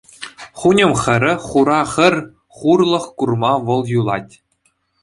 Хуньӑм хӗрӗ хура хӗр хурлӑх курма вӑл юлать.